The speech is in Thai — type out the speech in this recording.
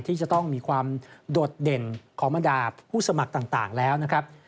ที่จะต้องมีความโดดเด่นของบรรดาผู้สมัครต่างแล้วนะครับ